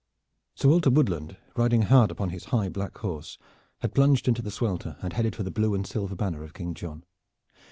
Sir Walter Woodland, riding hard upon his high black horse, had plunged into the swelter and headed for the blue and silver banner of King John.